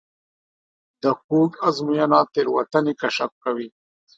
د کوډ ازموینه تېروتنې کشف کوي.